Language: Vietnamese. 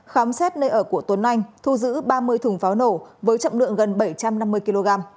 khám xét nơi ở của tuấn anh thu giữ ba mươi thùng pháo nổ với chậm lượng gần bảy trăm năm mươi kg